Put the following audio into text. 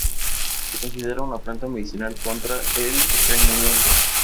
Se considera una planta medicinal contra el estreñimiento.